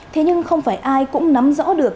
thế nhưng không phải ai cũng nắm rõ được